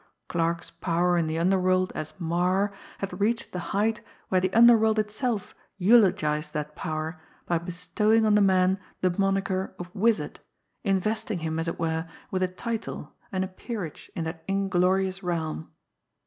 Clarke's power in the underworld as Marre had reached the height where the underworld itself eulogised that power by bestowing on the man the "moniker" of Wizard, investing him, as it were, with a title and a peerage in that inglorious realm.